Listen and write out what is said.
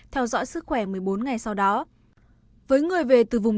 theo dõi sức khỏe một mươi bốn ngày sau đó với người về từ vùng